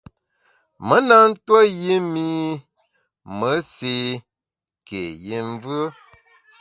Me na ntuo yi mi me séé ké yi mvùe.